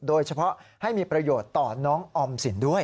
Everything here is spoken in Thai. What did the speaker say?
โดยเฉพาะให้มีประโยชน์ต่อน้องออมสินด้วย